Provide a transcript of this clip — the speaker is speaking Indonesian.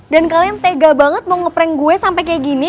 dan kalian tega banget mau ngeprank gue sampai kayak gini